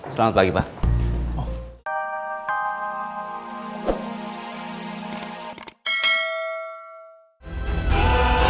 selamat pagi pak